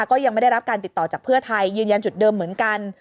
ก็ยังไม่ได้รับการติดต่อจากเพื่อไทยยืนยันจุดเดิมเหมือนกัน